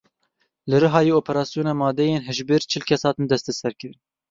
Li Rihayê operasyona madeyên hişbir çil kes hatin desteserkirin.